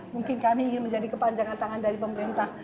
mungkin kami ingin menjadi kepanjangan tangan dari pemerintah